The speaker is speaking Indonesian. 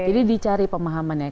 jadi dicari pemahaman ya